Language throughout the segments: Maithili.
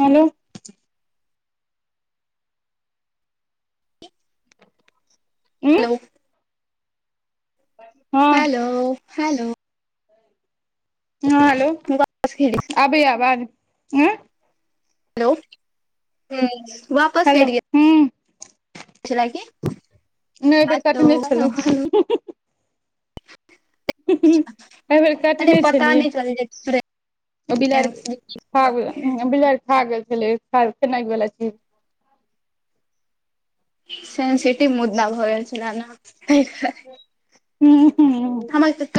हेलो हँ हेलौ हँ हेलो हैलो हँ हालौ ख [unintelligible] अबै आबाज आँ हेलौ वापस हेलो कट गेल हूँ ल क [unintelligible] [unintelligible] नहि ए बेर कटने छलहु एहि बेेर अरे कटने पता छलियै नै चल [unintelligible] जे [unintelligible] ओ बिलैड़ खा बिलैड़ खा गेल छल [unintelligible] व चीज ‌ सेंसिटिव मुद्दा भऽ गेल छलए न ह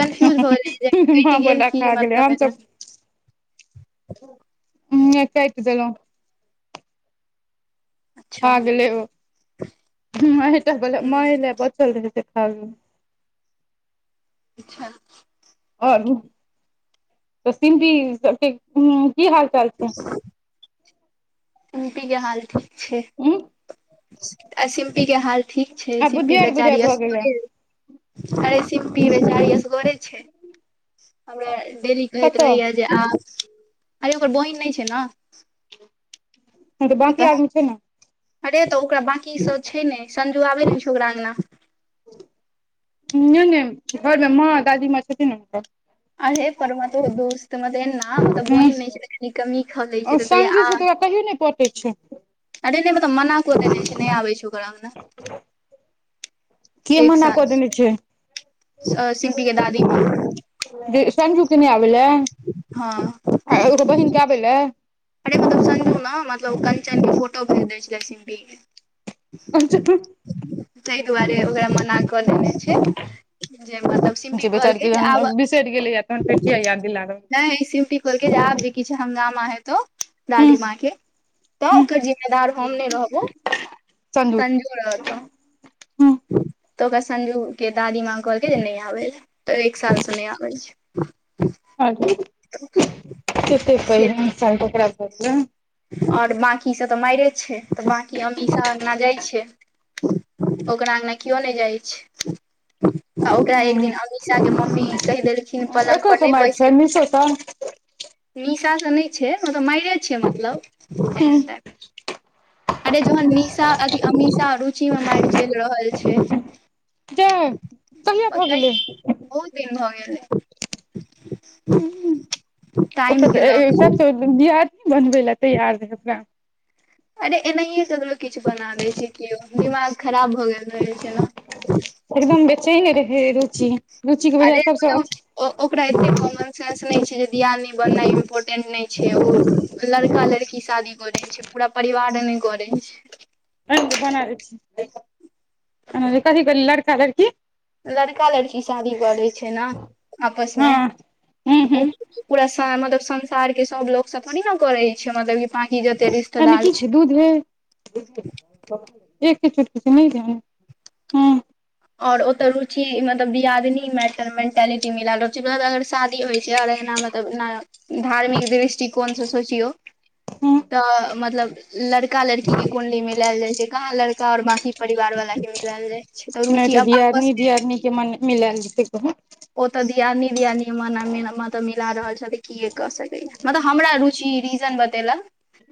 कन्फ्यूज भऽ गेलै जे हम कटि गेल बोला की खा गेल गेल मतलब हमस एना [unintelligible] [unintelligible] ह कटगेलो [unintelligible] [unintelligible] हां अच्छा गेलै ओ मा टा मा [unintelligible] टा बला ह एलै त चल गेलै हँ [unintelligible] अचछा और त सिम्पी सब के की हाल चाल छै सम्पी के हाल ठीक छै उ। आ सिम्पीके हाल ठीक छै, आब सिम्पी बुधियार बुझाइ बेचारी भऽ गेलै असगरे। अरे सिम्पी बेचारी असगरे छै, हमरा डरी होत कतऽ रहैया जे आ, आइ ओकर बहिन नहि छै ने। नहि तऽ बाकी आदमी छै ने? अरे तऽ ओकरा बकी सभ छै, ने संजू आबै ने छै ओकरा अगना नहि ने घरमे माँ दादी माँ छथिन ओ त। अरे परमा तोर दोस्त मदेना तऽ बोहिन नहि छै, त कमी खलै छै, तऽ कहिया आ। कहि न पटे छै। अरे नहि मतलब मना कदै छै, न नहि आवै छै, ओकर अंगना। ह एक देने छै सालसे सिम्पीके दादी माँ जे संजूके नहि आबे ला हँ आ एगो बहिनके आबे लए। अरे मतलब संजू न मतलब कंचनके फोटो भेज दै छलै सिम्पीके। जे तइ दुआरे ओ मना कऽ देने छै। जे मतलब सिम्पी बेचारी कहलके के आब जहन बिसरि गेलैया तहन फेर किया याद दिला रहल नै छै सिम्पी। कहलकै आब जे किछ हंगामा हैतो। हूँ दादी माँ के तऽ हूँ ओकर जिम्मेदार हम नहि रहबो। संजू रहतौ। हूँ तऽ ओकर संजूके दादी माँ कहलकै जे नहि आबैल तऽ एक सालसँ नहि आबै छै। अी [unintelligible] त ते पै [unintelligible] सालटा खराब। और बाँकीसभ तऽ मारे छै, तऽ बाँकी ‌अमीषा अगंना जाइत छै। ओकरा अगंना केओ नहि जाइ छै। आ ओकरा एक हूँ दिन अमीषाके मम्मी कहि देलखिन एकर पलनगपर नहि कमाइ छै बैसल। निशो सँ निशा तऽ नहि छै, ओ तऽ मारे छियै मतलब। हू। एहन टाइप अरे जहन निशा अथि अमीशा रुचिमे मारि चलि रहल छै। जा कहिया भऽ पहले गेलै हे बहुत दिन भऽ गेलै। ह, ओकर टाइम के लऽ तऽ कऽ सभसँ बियाद नहि बनबै लए तैयार रहै ओकरा। अरे एनाहियए ककरो किछु बना दै छै, केओ दिमाग खराब भऽ गेल रहै छै ने। एकदम बेचैन रहै रुचि, रुचिके बजाय सभसँ ओ ओकरा एते कॉमन सेंस नै छै जे दियानी बना इम्पोर्टेंट नहि छै। छै, ओ लड़का लड़की शादी करे छै, पूरा परिवारने करे छै। बना दै छी कथी क लड़का लड़की। लड़का लड़की शादी करै छै, ने हँ आपसमे हूँ हूँ पूरा मतलब संसारके सभ लोकसभ थोडे ने करै छै मतलब कि बंकि जतेक र। आईमे किछु दूध? [unintelligible] एकके छुट्टीसे नहि जा ह आओर एतऽ रुचि, मतलब दियादनीमे मेंटालिटी मिलि रहल छै। जँ शादी होइ छै, तऽ एना न धार्मिक दृष्टि। दृष्ठि कोन से सोचियौ हूँ त मतलब लड़का लड़की के। कुंडली मिलायल जाइ छै, कहाँ लड़का और बाकी परिवार वालके मिलायल जाय छै। नहि रुचि तऽ अब आपस दियादनी मे दियादनी मन मिलल जेतै कहू। ओतऽ दियादनी-दियादनीमे मतभेद मिलि रहल छथि, की करि सकै? मतलब हमरा रुचि र [unintelligible] बतैलक ह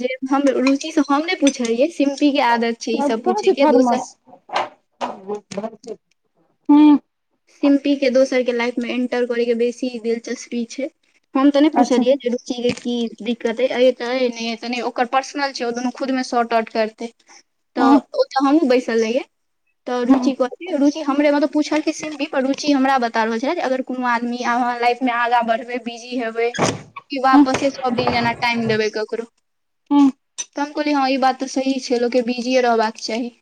जे हम रुचि से हम नहि पुछलियै सिम्पी के आदत छै ई सब कह पूछे छै के दोसर थरमस ह सिम्पी के दोसर के लाइफ मे एंटर करै के बेसी दिलचस्पी छै हम त नै अच्छा पुछलियै जे रुची गे की दिक्कत अइ अइ त अइ नै अइ त नै अइ ओकर पर्सनल छै ओ दुनू खुद में शॉर्ट आउट करते तऽ हूँ ओ तऽ हमहुँ बैसल रहियै तऽ हूँ रुचि कत रुचि हमरे मतलब पूछल सिमी पर रुचि हमरा बता रहल छल जे अगर कोनो आदमी लाइफ मे आगा बढ़बै बिजी हेबै क हूँ पस सो दिनजना टाइम देबै ककरो हूँ तऽ हम कहलियै हँ ई बात तऽ सही छै लोकके बिजीए रहबाक चाही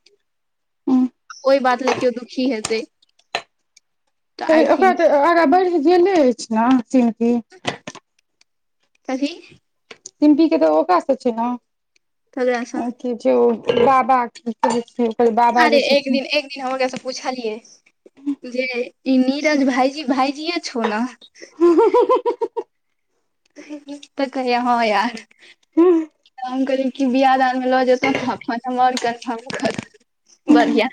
हूँ ओहि बात लए केओ दुखी हेतै तऽ आई तऽ ओकरा थिंक तऽ आगाँ बढ़ि गेले अछि ने सीमती कथी सिम्पी के तऽ ओकास से छै ने सगले आ क जे ओ बाबा क कहै छै ओकर बाबा अरे जे एक छथिन दिन एक दिन हमर कैस पूछलियै जे ई नीरज भइजी भइजीे छ ने हं तऽ कहैया हँ यार ह हम कहलिए कि बियाह दान मऽ लऽ जेतहु नऽ अपन हम आओर कन्फर्म करब [unintelligible] बढ़िआ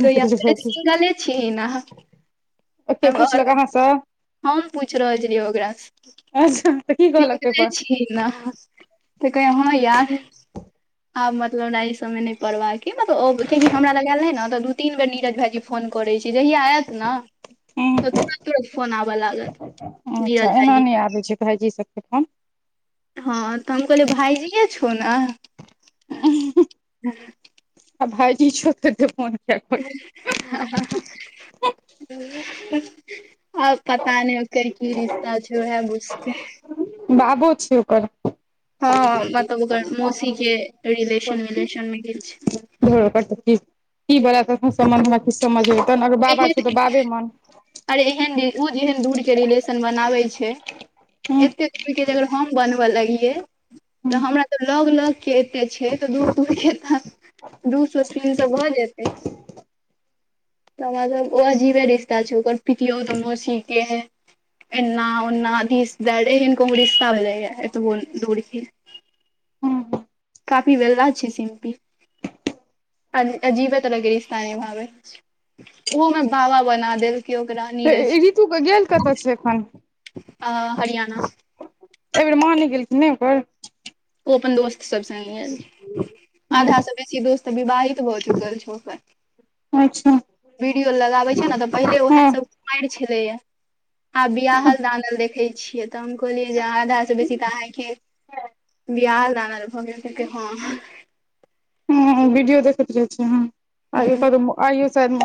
सिंगले छिहि न अहाँ के पुछलक अहाँसँ हम पूछ रहल छलियै ओकरासँ अच्छा तऽ की कहलक सि पेपर छी ने तऽ कहै अहाँ याद आब मतलब हमरा ई सब में नहि पड़वा के मतलब अब कियाकि हमरा लग आयल रहै न त दु तीन बेर नीरज भाईजी फोन करैत छी जहिया आयत ने तऽ तुरत तुरत फोन आबऽ लागत अच्छा नीरज एना भाईजी नहि आबे छै भायजी सबके फन के। हँ तऽ हम कहल भाईजीे छौ ने आ भइजी छोट त पहुँचा हं आब पता नहि ओकर की रिश्ता छै ओएह बुझते बाबो छै ओकर हँ मतलब ओकर मौसी के रिलेशन विलेशन मे गेल छी ध पती की बड़ तखन सम्न्धमे किछु समझ हे तहन अगर बाबा छौ एहन तऽ बाबे मन अरे एहन ओ जेहन दूर के रिलेशन बनाबै छै हूँ एते अगर हम बनबऽ लगिये तऽ हूँ हमरा तऽ लग लग के एते छै तऽ दूर दूर के तऽ दू सए तीन सए भऽ जेतै तऽ मतलब ओ अजीबे रिश्ता छै ओकर पतियो तहो सीखते हे एना उन्ना धीस देट एहन कोन रिस्ति भलैया एतबो दूड़के हूँ काफी बेला छै सिम्पी अजीबे लग रिश्ता न भावे ओहो में बाबा बना देल केओ ओकरानी रह न अ हरियाणा एहि बेेर मां नहि गेलखिन नै ओकर ओ अपन दोस्त सब स आधा सब बेसी दोस्त विवाहित भ चुकल छै ओकर अच्छा वीडियो लगाबे छै ने तऽ पहिले उएह हँ सब कुमैर छलेया आब बियाहल दानल देखै छियै तऽ हम कहलियै जे आधा से बेसी तऽ अहांके [inaudible] बिआ दान आर भऽ गेल तऽ हँ विडीयो देखैत रहै छै ह [unintelligible] अइयो सैयद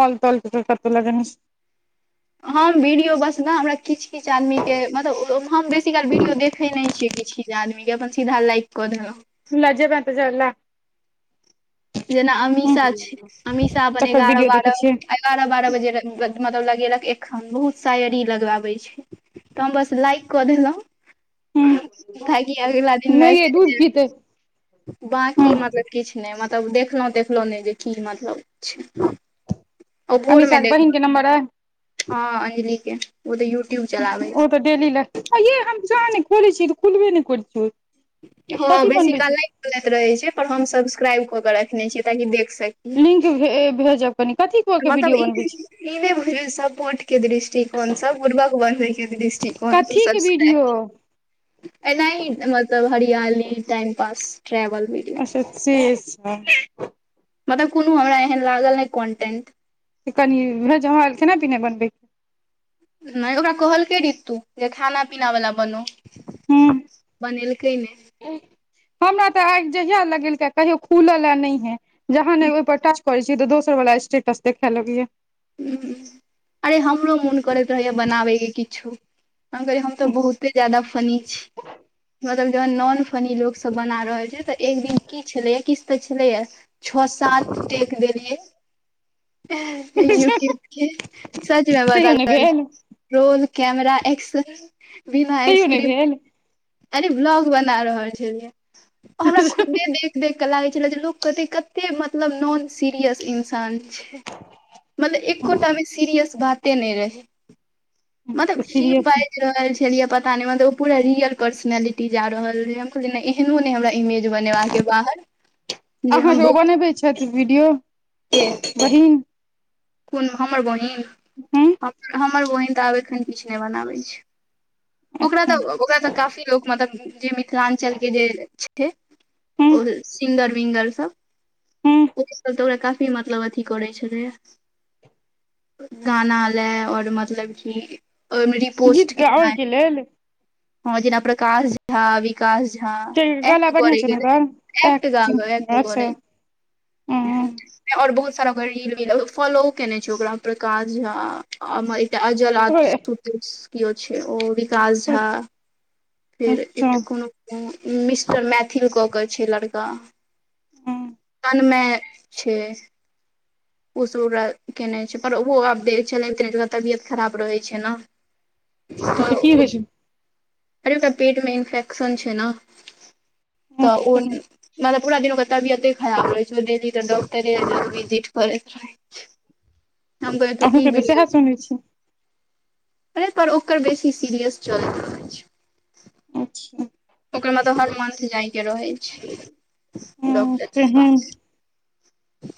मॉल तॉल फिल्टर लगेने छै हम वीडियो बसल हमरा किछ किछआदमी के मतलब हम बेसी काल वीडियो देखे नहि छियै किछ किछ जे आदमीे अपन सीधा लाइक क दै नों लजैबैं त [unintelligible] जेना हूँ अमीषा छै अमीषा अपन तकर एगारह वीडियो देखै बारह छियै एगारह बारह बजे मतलब लगेलक एखन बहुत साायरी लगबाबे छै त हम बस लाइक क दे लो हूँ खाकी अगिला दिन नै यै दूध पीतै [unintelligible] हूँ बकी मतलब किछु नाए मत तब देखलहुँ देखलहुँ नाए जे की मतलब छै आ भोर मे अमीषा के बहिन देखब के नम्बर अइ हँ अंजलिक के ओ तऽ यूट्यूब चलाबैत ओ छै डेली [unintelligible] कुलबे नाए करै छि हँ बेसीकाल नाए खुलैत रहैत छै पर हम सब्सक्राइब कऽ कऽ रखने छियै ताकि देख सकी लिंक भेजब कनि कथी कऽ के मतलब वीडियो ई बनबै छै ई नहि बुझलियै सपोर्ट के दृष्टिकोण स बुर्बक बनबय के दृष्टिकोण हम त कथी के वीडियो सब्सक्राइब एना ही मतलब हरियाली टाइम पास ट्रेवल भी [inaudible] मतलब कोनो हमरा एहन लागल नाए कंटेंट सेऽ कनि भेज हम आ खेनाइ पिनाइ बनबै नाए ओकरा कहलकै ऋतु जे खाना पीना वला बन हूँ बनलेके न हमरा तऽ आग जहिया लगेलक कहियो खुल न हे जहन ने ओहिपर टच कोरय त दोसर वला स्टेटस देखैलैए आए हमरो मोन करैत रहैया बनाबेके किछो हम कहलिए हम तऽ बहुते ज्याददा फनी छि मतलब जखन नॉन फनी लोग सब बना रहल छै तऽ एक दिन की छलैया किछु तऽ छलैया छः सात टेक देलिए [unintelligible] [inaudible] तैयो नहि भेल रोल कैमरा एक्सन बिना तैयो नहि स्क्रिप्ट भेल यानी ब्लॉग बना रहल छलियै हमरा खुदे देख देख लागै छल जे लोग कहतै कते मतलब नॉन सीरियस इंसान छै मतलब एकोटा मे सीरियस बाते नइ रहै [unintelligible] मतलब तऽ की सीरियस बाइज रहल छलियै पता मत पूरा रियल पर्सनलिटी जा रहल कहलिय एहनो ने हमरा इमेज बनेबाका के बाहर जे हम अहाँके ओ बहुत बनबै छथि वीडियो के [unintelligible] बहिन कोन हमर बहिन हूँ हमर बहिन तऽ आब एखन किछ नाए बनाबै छै ओकरा अच्छा तऽ ओकरा त काफी लो मतलब जे मिल मिथिलांचल के जे छै हूँ ओ सिंगर विंगर हूँ सब ओ तऽ ओकरा काफी मतलब अथी करैत छलै गाना लए और मतलब कि ओ मेरी गीत पोस्ट कितना है गाबयके लेल हँ जेना प्रकाश झा विकश झा गला एकट कर बढ़िआँ छै ने गेल ओकर एक एक्टिंग ग एक अच्छा कर और बहुत सारा ओकर रील मिलल फॉलो केने छै ओकरा प्रकाश झा एकटा अजल केओ छै ओ विकाश झा फेर अच्छा एकटा कोनो मिस्टर मैथिल कऽ क छै लड़का हं में छै ओस उ केने छै पर ओहो आब द छलै जकरा तबियत खराब रहैत छै ने अच्छा तऽ की होइ छैन अरे एकरा पेट में इन्फेक्शन छै ने तऽ ओ अच्छा मतलब पूरा दिन ओकर तबियते खराब रहे छै डेली तऽ दौड़ते डॉक्टरे भिठ कर हम कह तू की अहूँके तऽ बीड सएह सुनै छी पर ओकर बेसी सीरियस चलैत अच्छा ओकरमे तऽ हर मन्थ जाइके रहै छै हूँ डॉक्टरके तेहन पास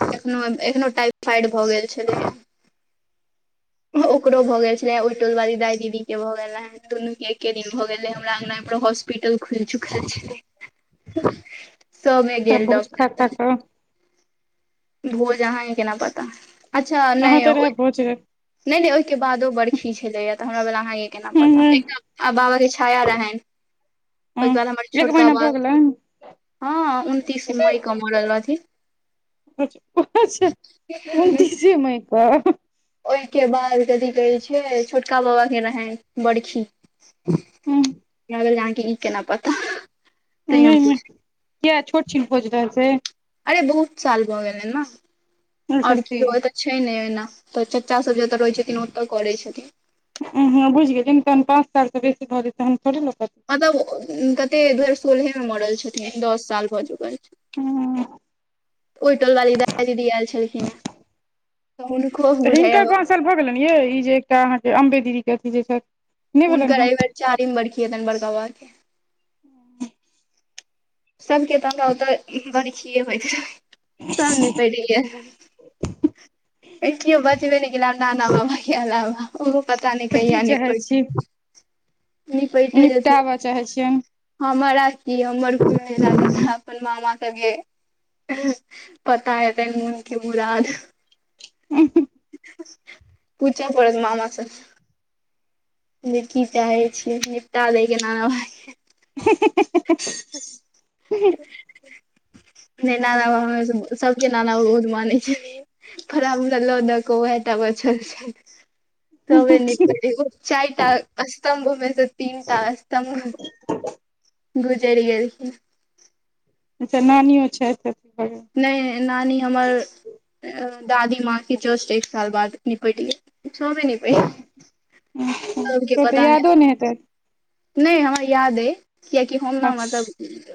एखनो एखनो टाइफाइड भऽ गेल छलै [inaudible] ओकरो भऽ गेल छले ओहि टोल वाली दाइ दीदी के भऽ गेल हे दुनू के एके दिन भऽ गेलै हमरा अंगना हॉस्पिटल खुल चुकल छलै सबमे सब गेल भोज खा खा डॉक्टर कऽ भोज अहाँके केना पता अच्छा अहाँ नहि तऽ रहै ओहि भोज ह नइ नइ ओइके बादो बरखी छलैए तऽ हमरा भेल अहाँके केना पता एक ह आ बाबा के छाया रहैन ओहिके बाद हमर एक छोटका महीना भऽ बाब गेलै हँ उनतीस मई के मरल रहथि अच्छा उनतीसे मई क ओहिके बाद कथी कहै छै छोटका बाबा के रहै बड़खी नहि ग अहाँके ई केना पता तै हम नहि पुछ किया छोट छीन खोज रह छै अरे बहुत साल भऽ गेलै ने अच्छा और से की हो छै नइ ओना तऽ चाचा सब जतऽ रहै छथिन ओतऽ करै छथिन हँ बुझि गेलिय तह पाँच सालसँ बेसी भऽतै तहन थोड़े लोक तऽ मतलब कते दु हजार सोलहे मे मरल छथिन दस साल भऽ चुकल छै ओइ टोल वाली राधा दीदी आयल छलखिन हँ हिनकर पाँच साल भऽ गेलनि ये ई जे एकटा अहाँके अम्बे दीदीके अथी जे छथि नहि भेलनि हुनकर हँ एहि बेर चारिम बड़खी हतनि बड़का बाबा के हं सबके तऽ हमरा ओतऽ बरखिए होइत रहै तंग कैसे देइअ एओ बाजबे नइ गेल नाना बाबा के अलावा ओहो पता नइ तऽ की कहिया चाहै छी निकलतै निकलतै रहे से निपटाबऽ चाहै छियनि हमरा आ की हमर को अपन मामा सब पता एतै हुनके मुराद हं पूछा पत ममाास की चाहे छी निपटा लै के न न [inaudible] ठ नहि नाना ब सबके नाना सबूत मानै छै तोरा हमरा लऽ द क ओहेटा बचल छै तबे न करेबौ चारिटा अस्तम्भमेस तीनटा अस्तम्भ गुजरि गेलखिन अच्छा नानियो छथि तऽ नय नानी हमर दादी माँ के जस्ट एक साल बाद निपटी ह छोबे निपट तोन तऽ यादो नइ हेतै नइ हमरा याद अइ कियकि हम न मतलब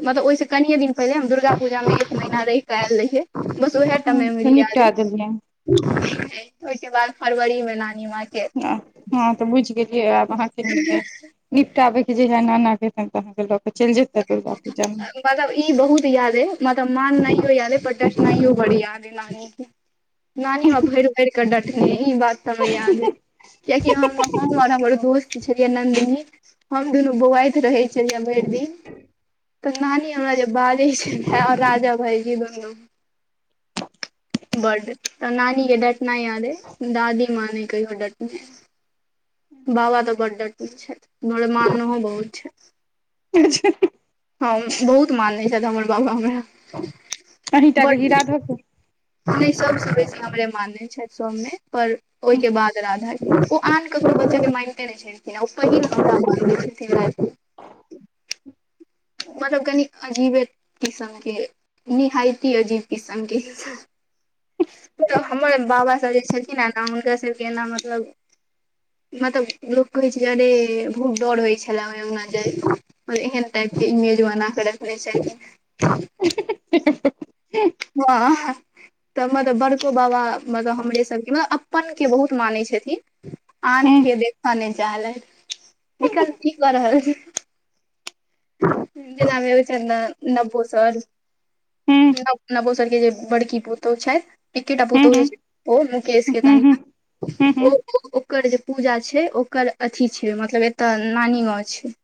मतलब ओहिसँ कनिये दिन पहिले हम दुर्गा पूजामे एक महिीना रहि कऽ आयल रहियै बस उएह टा मेमोरी याद निपटा देलियनि अइ ओहिके बाद फरवरी मे नानी मा क हँ तऽ बुझि गेलियै आब अहाँके नइ अय निपटाबै के जहिया नाना के ताइन अहाँके लऽ केऽ चलि जेता दुर्गा पूजामे मतलब ई बहुत यादे मतलब मान नयो यादे परडस नहियो बड़ याद नानी नानीमे भरि भरि कऽ डटन य‌इ‌ बात त हमरा याद ह कियाकि हम हम आर हमर दोस्त छलियै नन्दिनी हम दुनू बौआइत रहै छलियै भरि दिन तऽ नानी हमरा जे बाजैछेला आ राजा भाईजी दुनू [unintelligible] बड्ड तऽ नानी के डंटनाइ याद अइ दादी माँ ने कहियो डंटने अइ बाबा तऽ बड डंटने छथि मारनहो बहुत छथ अच्छा हँ बहुत मानै छथि हमर बाबा हमरा अहीं टा के कि बड राधो के नहि सबस बेसी हमरे मानने छथि सबमे पर ओहि के बाद राधा ओ आन ककरो बच्चा के माइनते नहि छै ओ पहिल हमरा मै छथिना मतलब कनि अजीबे किसम के निहाायती अजीब कीसम के तऽ हमर बाबा सब जे छलखिन ह ने हुनका सबके ना मतलब मतलब लोक कहै छै अरे बहुत डर होइ छलै ओइ अंगना जा एहन टाइप के इमेज बनाके रखने छथिन ह [inaudible] वाह तऽ मतलब बड़को बाबा मतलब हमरे सबके मतलब अपन के बहुत मानै छथिन आन हूँ के देखऽ नइ चाहलै निकल की कऽ रहल छी जेनामे विचार ने नपोसर हूँ [unintelligible] नवो सर के जे बड़की पुतोहु छथि एकेटा हूँ हूँ पुतहु त ओ मुकेश के हूँ हूँ कनिया हूँ ओ हूँ ओकर जे पूजा छै ओकर अथी छै मतलब एतय नानी गाँव छै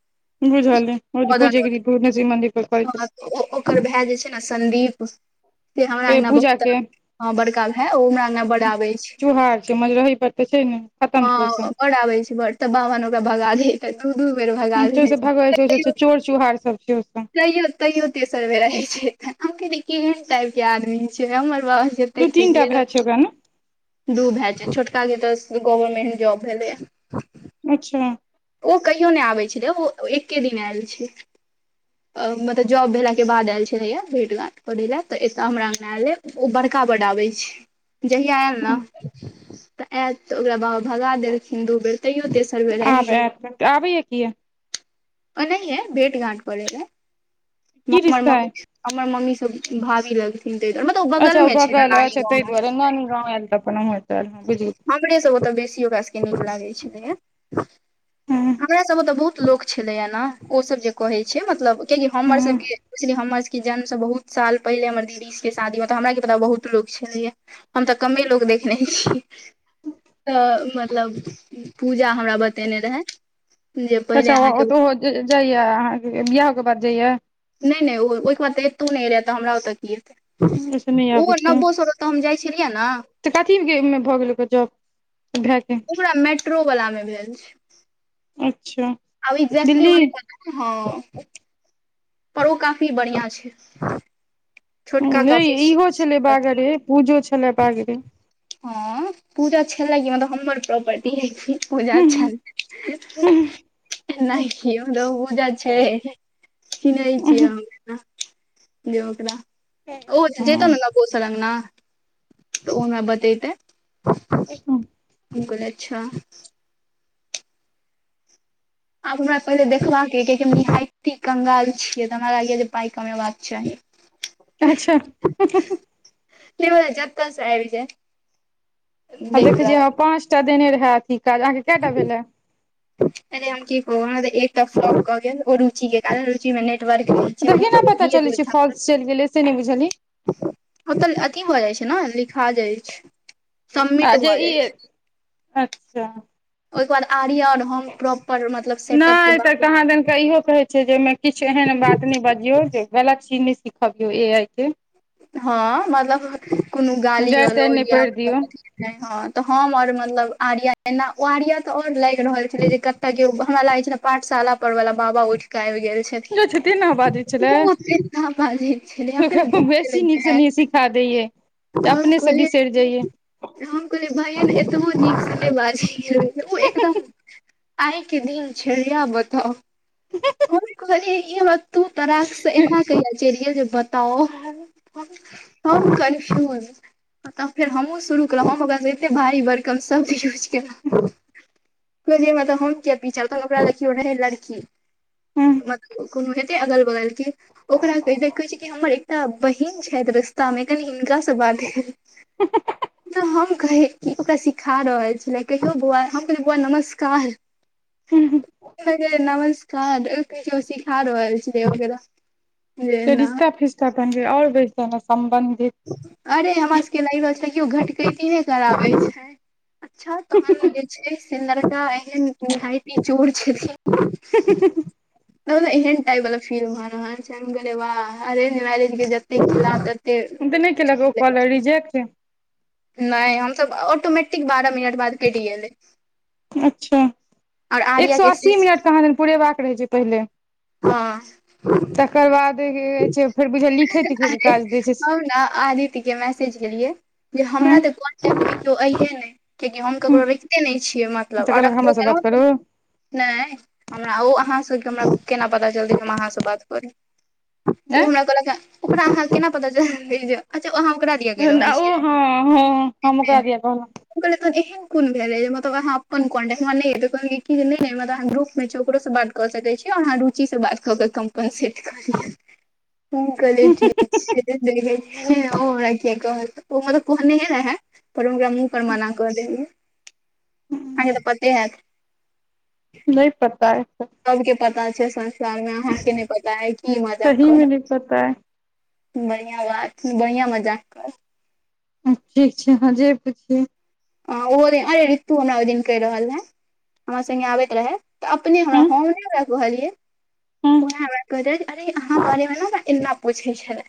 बुझल बुझिगेलिए पूजगरी भुवन्व मन्दिर परै ओ ओ ओ ओकर भैय जे छै न संदीप ते हमरा अंगना पूजा बहुत के आबै हँ बड़का भाय ओ हमरा आगना बड आबै अछि [unintelligible] बतै छै खतम छै ओ सब हँ बड आबे छै बड त बाबा‌नओकरा भगा दै छै दू दू बेर भगा ओ देै सब छै तैयो चोर चुहार सब छै ओ सब तैयो तैयो तेसर वे रहे छै हम क केहन टाइप के आदमी छिये हमर बाप फ दू तीन टा पैसिय भाय छै ओकरा ने दू भए जाय छोटका के तऽ गवर्मेंट जॉब भेलै अच्छा ओ कहियो नय आबै छलै ओ एके दिन आयल छै [inaudible] मतलब जॉब भेलाके बाद आयल छलैए भेट घाट करै लए त एतय हमरा अंगना आयले ओ बड़का बड्ड आबै छै जहिया आयल ने तऽ आयत तऽ ओकरा बाबा भगा देलखिन दू बेर तैयो देश आब आबैय की य ओ नहि ह भेट गाट पड़े रह की मर रिश्ता मम्मी अइ हमर मम्मी सब भारी लग [unintelligible] अच्छा ओ बगल अच्छा तैय दुआारे नानी गाँव आयल त अपन हमु एत ऐल बुझियौ हमरे सब ओतऽ बेसी ओकरा सबके नीक लागै छलैए गेलियै हमरा सब में तऽ बहुत लोक छलैया ने ओ सब जे कहै छै मतलब कियाकि हमर हँ सबके के हमर सब के जन्म से बहुत साल पहिले हमर दीदी शादी में तऽ हमरा के पता बहुत लो छलैे हम तऽ कमे लोग देखने तऽ मतलब पूजा हमरा ब देने रहै जे पहिले अहाँके जाइया अहाँ के बियाह के बाद जाइया नय नय ओ ओहिके बाद तऽ एतो नय एलयै तऽ हमरा ओतऽ की एतै ओहिसँ नहि आबै ओहो छै नब्बो सए त हम जाइ छलियै ने तऽ कथी भऽ गेल ओ जॉब भए गेल ओकरा मेट्रो वालला मे भेल छै अच्छा आब एक्जेक्टली दिल्ली पता ह पर ओ काफी बढ़िया छै छोटका नहि काफी इहो छलै बाग रे पूजो छलै बागरे हँ पूजा छल क मतलब हमर प्रॉपर्टी ह बूजा छनि नहि पूजा छै कि चिन्हे छियै हम दकरा ओ जे तोन न कोस लगे ने तऽ ओन बतते अच्छा गकल अच्छा आब हमरा पहिले देखबाक य कि हम निहायी कंगाल छिये तऽ हमरा लाग या जे पााय कमेबाक चाही अच्छा ब जते आब जा आब देखै छियै पाँच टा देने रहैथ ई काज अहाँके कटा भेलै ते हम की कहब एक रुचि के रुचि में तऽ केना पता चलै छै फॉल्स चलि गेलै से नहि बुझलियै [unintelligible] ओ त अथी भ जाइत छै ने लिखा जाइत छै अ सबमिट जे भऽ ई जाइ अच्छा ओहिके बाद आर्या ओर हो प्रॉपर मतलब सेटअप के नहि तऽ त बाद कहाँ दन क इहो कहै छै जे ओहिमे किछु एहन बात नहि बजियौ जे गलत चीज सिखाबियौ ए आइ के हँ मतलब कोनो गाली जड़ि तड़ि नहि गलोज या पड़ि दियौ हँ तऽ हम आओर मतलब आर्या एना आर्या तऽ आओर लागि रहल छलै जे कते काकि हमरा लागे छै ने पाठशाला पर वाला बाबा उठ केे आब गेल छै ने जे छुट्टी ने बाजै छलै बाजै छलै हम कहलिये सी नीक से नीक सिखा देयया हम अपने से कहलियै बिसरि जइया हम कहलियै भैन एतबो नीकसँ नहि बाजै ओ एकदम आइ के दिन छै इ बताउ कथी कहलिये तू तराक से एना कले चलिये जे बताओ त हम कंफ्युज तब फेर हमहूँ शुरू केलहुँ हम ओकरासँ एते भारी बरकम सभ यूज केलहूँ कहय के मतलब किये पीछा ओकरा लिय रहै लड़की मतलब कोनो हेतै अगल बगल के ओकरा देखै छी कि हमरा एकटा बहिन छथि रस्ता मे कनि हिनका से बात भेल त हम कहे क ओकरा सिखा रहल छै कहियौ बौआ हम कहलियै बौआ नमस्कार नमस्कार सिखा रहल छै वगैरह जे ना रिश्ता फिस्टा बने और बैसे ह सम्बंधित अरे हमरा सबके लागि रहल छै किओ घटकैती नहि कराबैत छै अच्छा तहन जे छै से लड़का एहन निहायते चोर छथिन [inaudible] त एहन टाइप वाला फिल्म हो रहे छै बा अरेंज मैरेज के जते खिला तते हम तऽ नय केलक ओ कॉलर रिजेक्ट नहि हमसभ ऑटोमेटिक बारह मिनट बाद केली हन अच्छा एक आर्या सए के अस्सी शेष मिनट के अहाँके पुरेबाक रहै छै पहिले हँ तकर बाद छै फेर बुझलियै लिखै तिखैके काज दै छै हम न आदित्य के मैसेज केलियै जे हमरा हूँ त अहे नहि कियाकि हम ककरो तऽ राखिते नहि छियै मतलब आ कहलक रखबो हमरासँ केलों बात करू नहि हमरा ओ अहाँसँ हमरा केना पता जल्दी हम अहाँसँ बात करि ओ आँय हमरा कल ओरा ह केना पता चलते जे अच्छा अहाँ ओकरा दिया ओ कैह रहल हँ हँ हम छियै ओकरा दिया कहलहुँ उ कहलक हन एहन कोन भेलह मतलब अहा अपन कॉन्टेक्ट ग्रुप मे ओकरो से बात कऽ सकैत छी अहाँ रुचि से बात कऽ के कम्पनसेट कऽ लिय ह कहली ठीक छै देखरा क कह ओ म त कहने ह पर ओकरा मुह पर माना कर देलियै अहा के तऽ पते हैत नहि पता अइ सबके पता छै संसार मे अहाँके नहि पता अछि ई मजाक सहीमे नहि करत पता अइ बढ़िआ बात बढ़िआ मजाक कर ठीक छै अहाँ जे पुछियौ ह ओहो दिन अरे ऋतु हमरा ओहि दिन कहि रहल है हमरा संगे आबैत रहे त अपने हमरा हम नहि हमरा कहलियै के ओना हमरा कह अरे अहाँ बारे मे ने हमरा एना पूछै छलै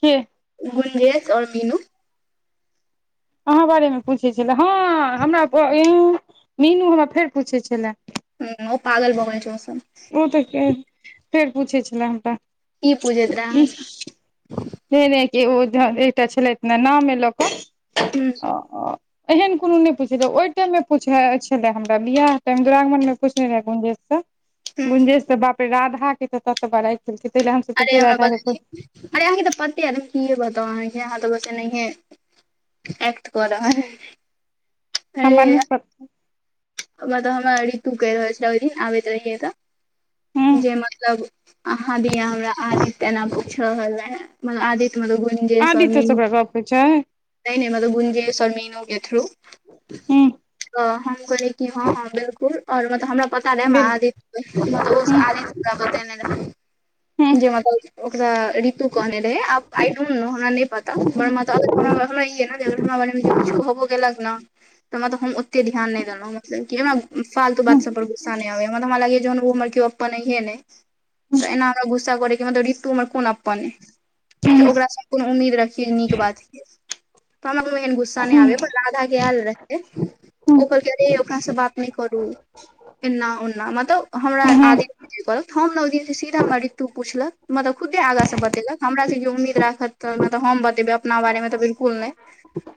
कि गुंजेश आओर मीनू अहाँ बारेमे पूछैत छलए हँ हमरा मीनू हमरा फेर पूछैत छलए ह ओ पागल बना छै ओ सब ओ तऽ फेर पूछै छले हमरा ई पूजे त रह एने कि ओ एकटा छलथि ने नाम ए लऽ कऽ हूँ [inaudible] एहन कोनो नहि पुछ रह ओहि टाइममे पूछ छले हमरा बियह टाइ दु्वरागमनमे पछने रहय गुंजेशसँ हूँ गुंजेश बाप रे राधा के त बड़ा खेलकै तहि ल हमस अरे ते हमरा राधा बता के छी अरे अहाँके तऽ पते आर की बता अहाँके अहाँ तऽ बस एनाहिये एकट कर रहल य हमरा नइ पत मतलब हमरा ऋतु कहि रहल छल ओहि दिन आबैत रहियै तऽ हूँ जे मतलब अहाँ दिया हमरा आदी तेना पूछ रहल रहै म आदीत मल गुञजे आदित्य समी सँ ओकरा गप होइ छै नहि नहि मतलब गुनजे सर मीनू के थ्रू हूँ करै हँ हँ बिल्कुल आओर मतलब हमरा पता रहै बेल महादीप हूँ आ री ब हूँ जे म ओकरा ऋतु कहने रहे आब आई डोंट नो हमरा पता हूँ ने हमरा बार में किछ कहबो गेलक ने त तऽ हम ओते ध्यान नहि मतलब कि हमरा फालतू बात सब पर गुस्सा नहि आबैए हमरा त हमरा लागैए जेन ओ हमर केओ अपन अहे नहि तऽ एना हमरा गुस्सा कर क मत ऋतु कोन अपप्मने ओकरा कोनो उम्मीद रखिय नीक बात हमरा को गुस्सा नहि आबे राधा के आएल रहै हूँ ओ कहलक ओकरा से बात कि करू एना ओना मतलब हमरा हूँ आगे जे करब हम नौदिनसँ सीधा ऋत्यु पुछलक मतलब खुदे आगाँ से बतेलक हमरा सब जे उम्मीद राखत तऽ मलब हम बतेबै अपना बारे मे तऽ बिल्कुल नहि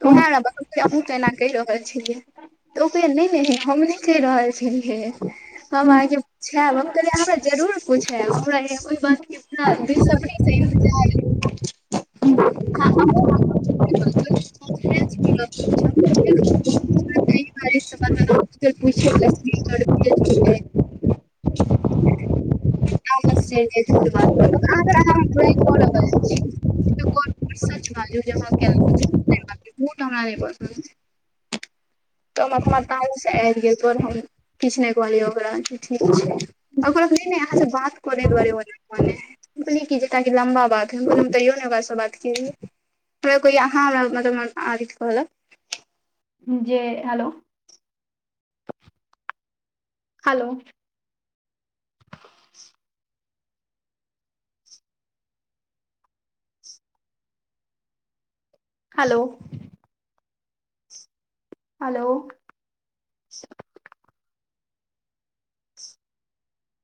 हूँ उएहे ने बतियै अहूँ तऽ एना कहि रहल छियै नहि नहि न हम कहि रहल छी हे हम अहाँके पुछायब हम कहलियै हमरा जरूर पुछायब हमरा ओहि बात वेसबरिसै ईनतेजार साल पुछि [inaudible] बा [unintelligible] सच बात जे हम हम स झुठ हमरा नही वरदान अई तऽ हमर हमर त से आ ऐलहियै तोर हम किछु नहि कहलियै ओकरा ठीक छै ओकरा ने अहाँ से बात करे दुआरे मने है कीज ताकि लम्बा बात है तैयो ने बास बात कीै कोइ अहाँ मतलब कहल जे हेलो हेलो ह [unintelligible] हेलो हेलो